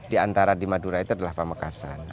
di antara di madura itu adalah pamekasan